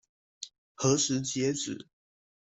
何時截止？